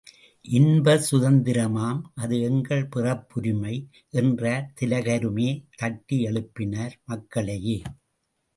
இன்ப சுதந்திரமாம் அது எங்கள் பிறப்புரிமை! என்றார் திலகருமே தட்டி எழுப்பினர் மக்களையே.